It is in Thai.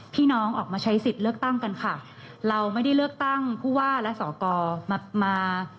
พี่น้องออกมาใช้สิทธิ์เลือกตั้งกันค่ะเราไม่ได้เลือกตั้งผู้ว่าและสอกรมามา